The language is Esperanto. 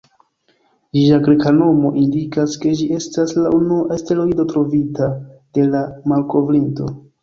Ĝia greka nomo indikas, ke ĝi estas la unua asteroido trovita de la malkovrinto.